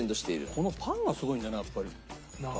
このパンがすごいんだよなやっぱり。